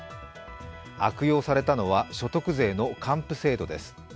悪用されたのは所得税の還付制度です。